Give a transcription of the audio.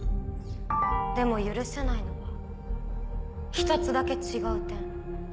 でも許せないのは１つだけ違う点。